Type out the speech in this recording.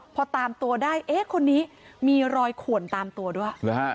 พอตามตัวได้เอ๊ะคนนี้มีรอยขวนตามตัวด้วย